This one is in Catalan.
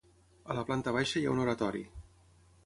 A la planta baixa hi ha un oratori.